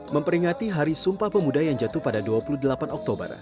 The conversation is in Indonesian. memperingati hari sumpah pemuda yang jatuh pada dua puluh delapan oktober